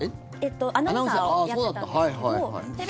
アナウンサーをやってたんですけど。